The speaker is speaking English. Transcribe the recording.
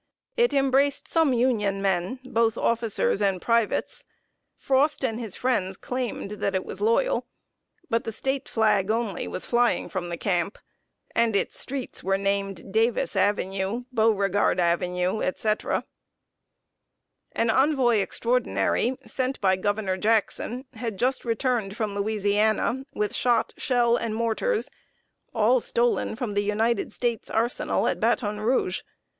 It embraced some Union men, both officers and privates. Frost and his friends claimed that it was loyal; but the State flag, only, was flying from the camp, and its streets were named "Davis Avenue," "Beauregard Avenue," etc. [Sidenote: NATHANIEL LYON AND CAMP JACKSON.] An envoy extraordinary, sent by Governor Jackson, had just returned from Louisiana with shot, shell, and mortars all stolen from the United States Arsenal at Baton Rouge.